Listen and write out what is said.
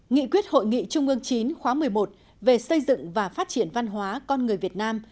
nghị quyết hội nghị trung ương ix khóa xi về xây dựng và phát triển văn hóa con người việt nam